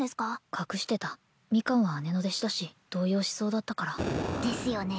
隠してたミカンは姉の弟子だし動揺しそうだったからですよね